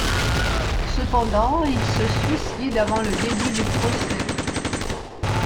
Cependant, il se suicide avant le début du procès.